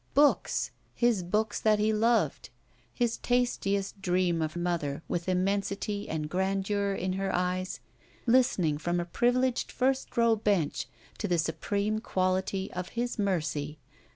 Books! His bocds, that he loved. His tastiest dream of mother, with 256 ROULETTE immensity and grandeur [in her eyes, listening from a privileged &st row bench to the supreme quality of his mercy.